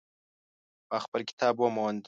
ما خپل کتاب وموند